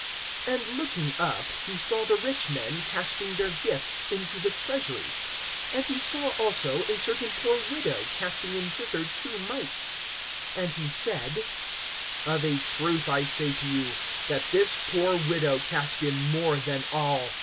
XXI. AND looking up, he saw the rich men casting their gifts into the treasury. (2)And he saw also a certain poor widow casting in thither two mites. (3)And he said: Of a truth I say to you, that this poor widow cast in more than all.